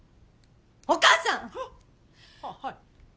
お母さん！ははい。